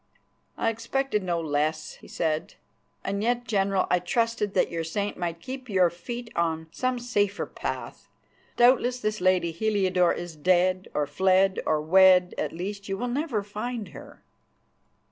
"I expected no less," he said; "and yet, General, I trusted that your saint might keep your feet on some safer path. Doubtless this lady Heliodore is dead, or fled, or wed; at least, you will never find her."